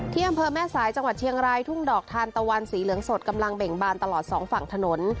อำเภอแม่สายจังหวัดเชียงรายทุ่งดอกทานตะวันสีเหลืองสดกำลังเบ่งบานตลอดสองฝั่งถนน